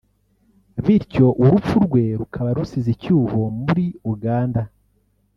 bityo urupfu rwe rukaba rusize icyuho muri Uganda